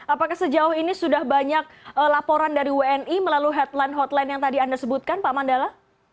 apakah sejauh ini sudah banyak laporan dari wni melalui headline hotline yang tadi anda sebutkan pak mandala